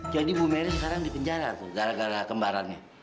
jadi bu meri sekarang di penjara tuh gara gara kembarannya